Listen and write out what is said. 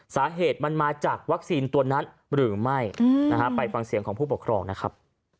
สาเหตุมันมาจากวัคซีนตัวนั้นหรือไม่นะฮะไปฟังเสียงของผู้ปกครองนะครับ